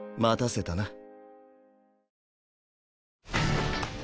待たせたな。